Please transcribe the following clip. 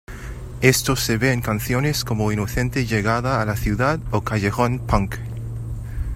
Esto se ve en canciones como "Inocente llegada a la ciudad" o "Callejón Punk".